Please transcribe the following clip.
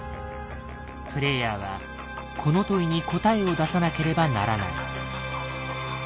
プレイヤーはこの「問い」に答えを出さなければならない。